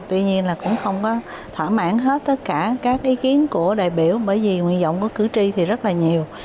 tuy nhiên là cũng không có thỏa mãn hết tất cả các ý kiến của đại biểu bởi vì nguyện vọng của cử tri thì rất là nhiều